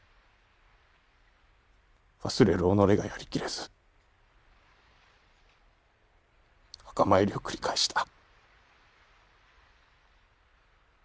忘れる己がやりきれず墓参りを繰り返した。